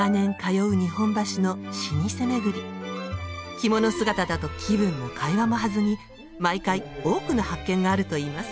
着物姿だと気分も会話も弾み毎回多くの発見があるといいます。